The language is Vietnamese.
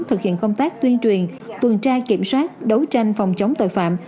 thực hiện công tác tuyên truyền tuần tra kiểm soát đấu tranh phòng chống tội phạm